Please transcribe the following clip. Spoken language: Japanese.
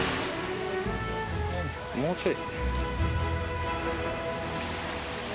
もうちょい。